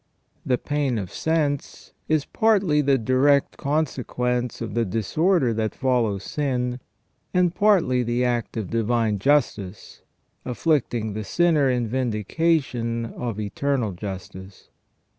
The pain of sense is partly the direct consequence of the disorder that follows sin, and partly the act of divine justice, afflicting the sinner in vindication of eternal justice.